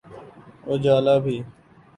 اجالا بھی۔